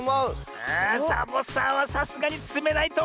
あサボさんはさすがにつめないとおもうな！